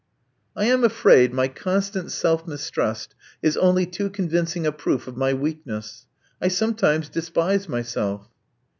'*I am afraid my constant self mistrust is only too convincing a proof of my weakness. I sometimes despise myself.